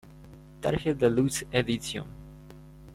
Target Deluxe edition